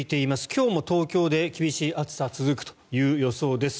今日も東京で厳しい暑さが続くという予想です。